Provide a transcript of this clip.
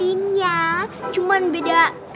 itu sama aduh